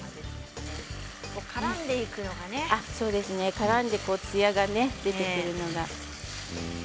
からんでつやが出てくるのが。